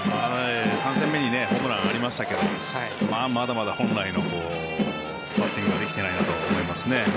３戦目にホームランがありましたがまだまだ本来のバッティングができていないかなと思います。